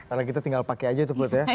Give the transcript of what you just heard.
karena kita tinggal pakai aja itu put ya